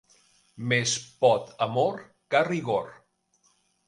Més pot amor que rigor.